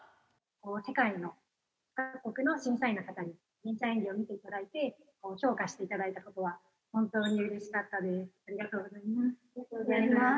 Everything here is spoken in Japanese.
世界の各国の審査員の方に、演技を見ていただいて、評価していただいたことは、本当にうれしかったです。